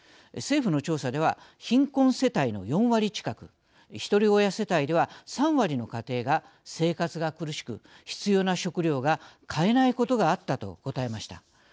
政府の調査では貧困世帯の４割近くひとり親世帯では３割の家庭が生活が苦しく必要な食料が買えないことがあったと答えました。